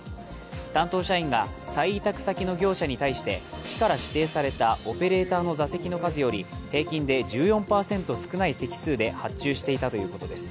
担当社員が再委託先の業者に対して市から指定されたオペレーターの座席の数より平均で１４％少ない席数で発注していたということです。